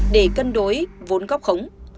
để cân đối vốn góp khống